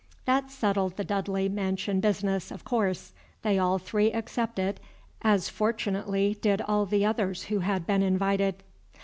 That settled the Dudley mansion business, of course. They all three accepted, as fortunately did all the others who had been invited.